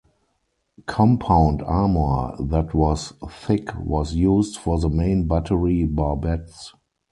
Compound armor that was thick was used for the main battery barbettes.